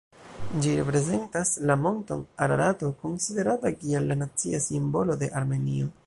Ĝi reprezentas la monton Ararato, konsiderata kiel la nacia simbolo de Armenio.